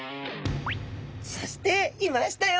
そしていましたよ！